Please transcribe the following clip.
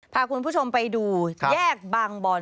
พาคุณผู้ชมไปดูแยกบางบอน